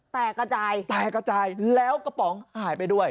แตกกระจายแล้วกระป๋องหายไปด้วย